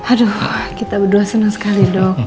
aduh kita berdua senang sekali dok